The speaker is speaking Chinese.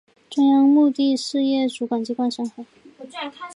中央目的事业主管机关查核